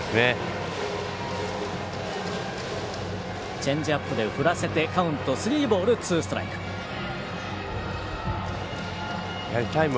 チェンジアップで振らせてカウントスリーボールツーストライク。